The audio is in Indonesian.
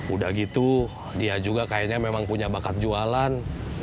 udah gitu dia juga kayaknya memang punya bakat jualan